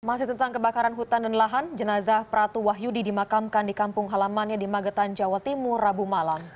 masih tentang kebakaran hutan dan lahan jenazah pratu wahyudi dimakamkan di kampung halamannya di magetan jawa timur rabu malam